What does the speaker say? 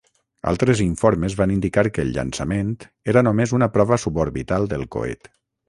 Altres informes van indicar que el llançament era només una prova suborbital del coet.